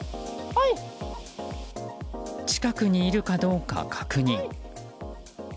近くにいるかどうか確認。